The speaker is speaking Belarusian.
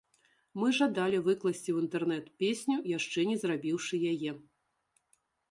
Мы жадалі выкласці ў інтэрнэт песню, яшчэ не зрабіўшы яе.